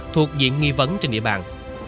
thuộc diện nghi vấn trên địa bàn